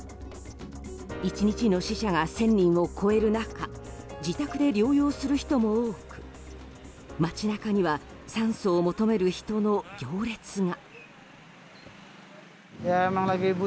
１日の死者が１０００人を超える中自宅で療養する人も多く街中には酸素を求める人の行列が。